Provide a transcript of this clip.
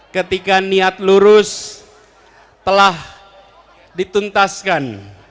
ketika niat lurus telah dituntaskan